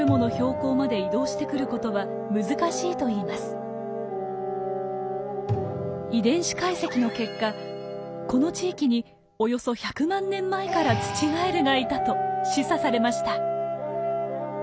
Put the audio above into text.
中村さんによると遺伝子解析の結果この地域におよそ１００万年前からツチガエルがいたと示唆されました。